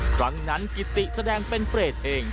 ครั้งนั้นกิติแสดงเป็นเปรตเอง